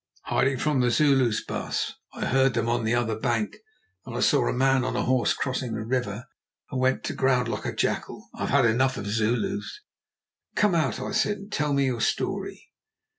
"Hiding from the Zulus, baas. I heard them on the other bank, and then saw a man on a horse crossing the river, and went to ground like a jackal. I have had enough of Zulus." "Come out," I said, "and tell me your story."